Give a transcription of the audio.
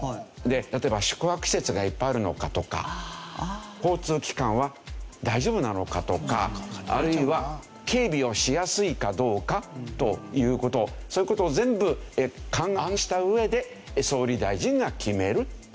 例えば宿泊施設がいっぱいあるのかとか交通機関は大丈夫なのかとかあるいは警備をしやすいかどうかという事そういう事を全部勘案した上で総理大臣が決めるというわけですね。